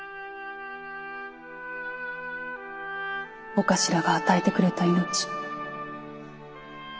お頭が与えてくれた命。